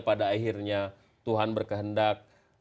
pada akhirnya tuhan berkehendak